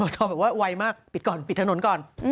ชอบแบบว่าไวมากปิดก่อนปิดถนนก่อน